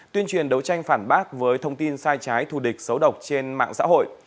tuyên truyền đấu tranh phản bác với thông tin sai trái thù địch xấu độc trên mạng xã hội